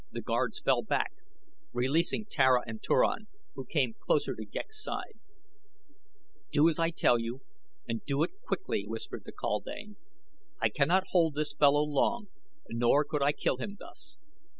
The guards fell back, releasing Tara and Turan, who came close to Ghek's side. "Do as I tell you and do it quickly," whispered the kaldane. "I cannot hold this fellow long, nor could I kill him thus.